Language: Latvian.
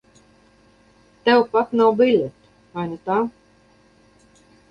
Tev pat nav biļete, vai ne tā?